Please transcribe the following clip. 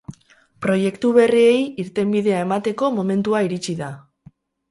Proiektu berriei irtenbidea emateko momentua iritsi da.